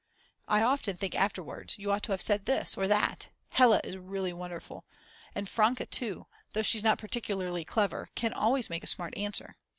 I often think afterwards, you ought to have said this or that. Hella is really wonderful; and Franke too, though she's not particularly clever, can always make a smart answer.